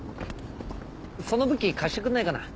その武器貸してくんないかな？